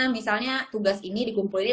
misalnya tugas ini dikumpulinnya